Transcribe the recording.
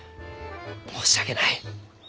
申し訳ない。